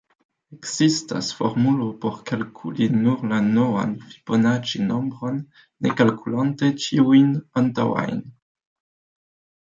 Ekzistas formulo por kalkuli nur la n-an Fibonaĉi-nombron ne kalkulante ĉiujn antaŭajn.